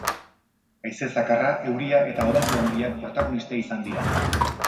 Haize zakarra, euria eta olatu handiak protagonista izan dira.